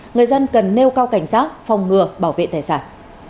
người dân cần nêu cao cảnh giác phòng ngừa bảo vệ tài sản